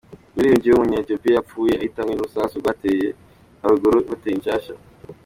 Umuririmvyi w'umunya Ethiopia yapfuye ahitanywe n'urusasu rwatewe hugurugwa ihoteli nshasha.